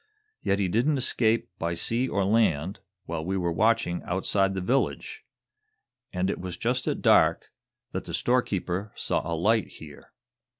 "Yet he didn't escape, by sea or land, while we were watching outside the village. And it was just at dark that the storekeeper saw a light here.